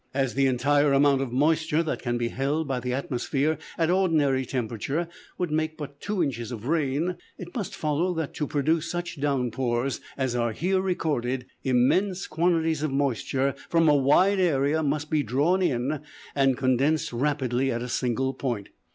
As the entire amount of moisture that can be held by the atmosphere at ordinary temperature would make but two inches of rain, it must follow that to produce such downpours as are here recorded, immense quantities of moisture from a wide area must be drawn in and condensed rapidly at a single point.